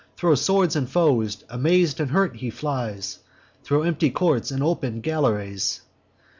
Thro' swords and foes, amaz'd and hurt, he flies Thro' empty courts and open galleries.